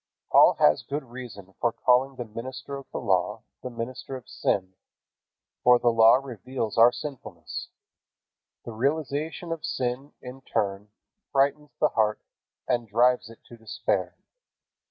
Paul has good reason for calling the minister of the Law the minister of sin, for the Law reveals our sinfulness. The realization of sin in turn frightens the heart and drives it to despair.